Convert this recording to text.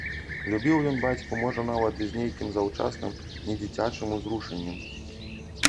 Любіў ён бацьку можа нават і з нейкім заўчасным недзіцячым узрушэннем.